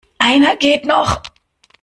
Einer geht noch.